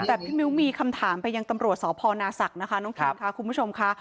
แต่พี่มิวมีคำถามไปยังตำรวจสพนาศักดิ์คุณผู้ชมค่ะ